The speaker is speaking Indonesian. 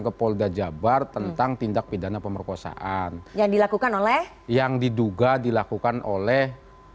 ke polda jabar tentang tindak pidana pemerkosaan yang dilakukan oleh yang diduga dilakukan oleh